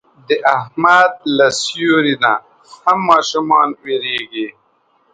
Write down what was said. د احمد له سیوري نه هم ماشومان وېرېږي.